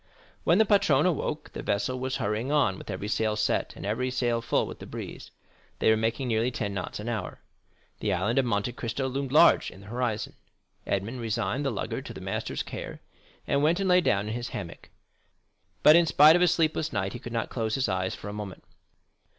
When the patron awoke, the vessel was hurrying on with every sail set, and every sail full with the breeze. They were making nearly ten knots an hour. The Island of Monte Cristo loomed large in the horizon. Edmond resigned the lugger to the master's care, and went and lay down in his hammock; but, in spite of a sleepless night, he could not close his eyes for a moment.